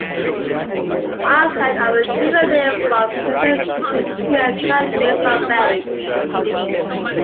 Onset of the juvenile form presents between two and twelve years of age.